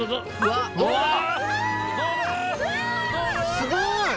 すごい！